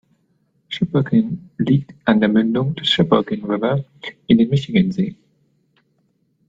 Sheboygan liegt an der Mündung des Sheboygan River in den Michigansee.